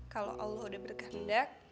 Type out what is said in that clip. kalo allah udah bergandak